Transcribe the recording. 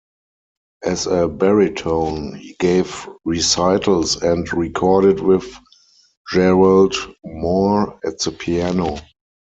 As a baritone, he gave recitals and recorded with Gerald Moore at the piano.